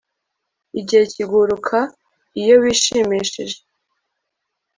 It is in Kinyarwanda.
Igihe kiguruka iyo wishimishije